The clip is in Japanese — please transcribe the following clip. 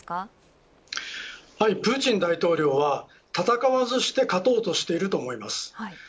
プーチン大統領は戦わずして勝とうとしていると思います。